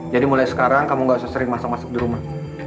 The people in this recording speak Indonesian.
jadi mulai sekarang kamu gak usah sering masuk masuk di rumah